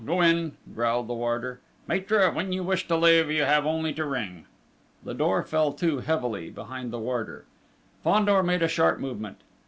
Go in!..." growled the warder. "Maître, when you wish to leave, you have only to ring." The door fell to, heavily, behind the warder. Fandor made a sharp movement.